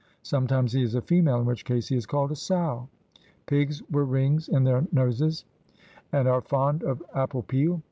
Sometimes he is female in which case he is called a sow. Pigs were rings in their noses and are fond of apple peal.